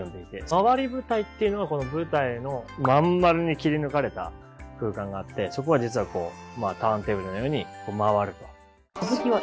廻り舞台っていうのがこの舞台の真ん丸に切り抜かれた空間があってそこは実はターンテーブルのように回ると。